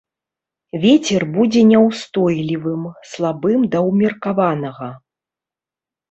Вецер будзе няўстойлівым, слабым да ўмеркаванага.